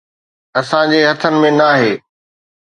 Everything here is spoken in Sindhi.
اسان جي هٿن ۾ ناهي